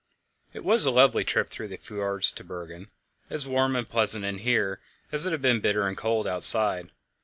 It was a lovely trip through the fjords to Bergen, as warm and pleasant in here as it had been bitter and cold outside.